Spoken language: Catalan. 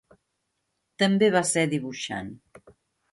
També va ser dibuixant.